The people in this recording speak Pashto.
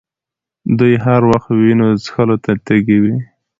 دوی هر وخت وینو څښلو ته تږي وي.